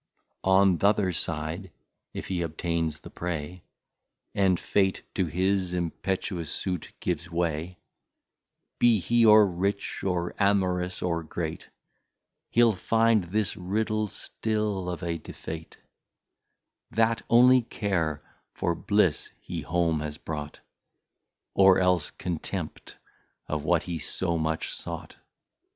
On th'other side, if he obtains the Prey, And Fate to his impetuous Sute gives way, Be he or Rich, or Amorous, or Great, He'll find this Riddle still of a Defeat, That only Care, for Bliss, he home has brought, Or else Contempt of what he so much sought.